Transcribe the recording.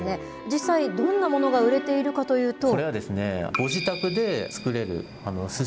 実際、どんなものが売れているかというと。